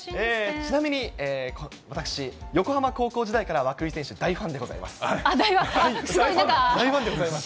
ちなみに、私、横浜高校時代から涌井選手、大ファンでございます。